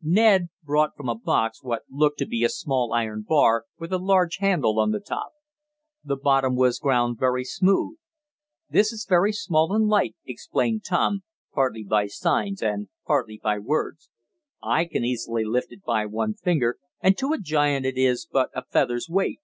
Ned brought from a box what looked to be a small iron bar, with a large handle on the top. The bottom was ground very smooth. "This is very small and light," explained Tom, partly by signs, and partly by words. "I can easily lift it by one finger, and to a giant it is but a feather's weight."